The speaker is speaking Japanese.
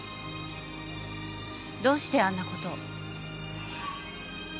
どうしてあんなことを？